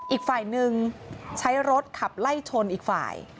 อีกฝ่ายหนึ่งใช้รถขับไล่ชนอีกฝ่าย